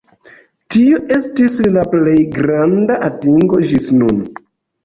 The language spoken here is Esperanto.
Tio estis lia plej granda atingo ĝis nun.